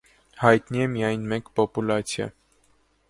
Հայտնի է միայն մեկ պոպուլացիա։